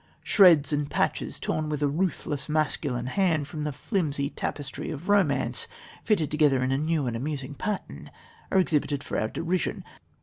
Shreds and patches torn with a ruthless, masculine hand from the flimsy tapestry of romance, fitted together in a new and amusing pattern, are exhibited for our derision.